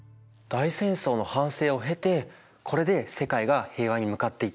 大戦争の反省を経てこれで世界が平和に向かっていった。